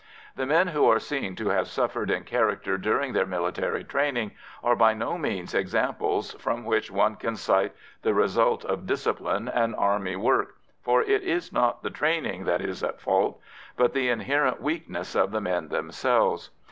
The men who are seen to have suffered in character during their military training are by no means examples from which one can cite the result of discipline and army work, for it is not the training that is at fault, but the inherent weakness of the men themselves.